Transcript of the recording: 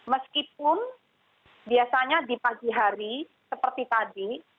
meskipun biasanya di pagi hari seperti tadi